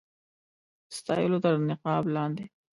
ستایلو تر نقاب لاندي.